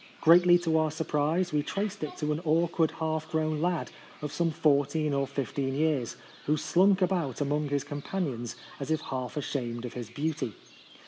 Greatly to our surprise we traced it to an awkward half grown lad, of some fourteen or fifteen years, who slunk about among his companions as if half ashamed of his beauty.